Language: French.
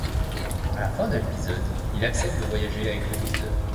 À la fin de l'épisode, il accepte de voyager avec le Docteur.